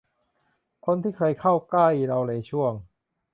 คนที่เคยเข้าใกล้เราในช่วง